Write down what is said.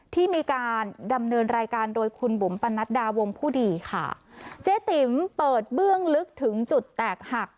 ที่มีการดำเนินรายการโดยคุณบุ๋มปนัดดาวงผู้ดีค่ะเจ๊ติ๋มเปิดเบื้องลึกถึงจุดแตกหัก